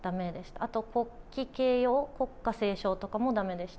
あと国旗掲揚、国歌斉唱とかもだめでした。